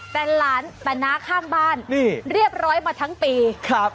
แต่หลานตะน้าข้างบ้านเรียบร้อยมาทั้งปี